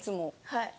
はい。